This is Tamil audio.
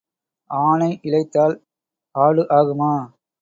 ஆனை இளைத்தால் ஆடு ஆகுமா?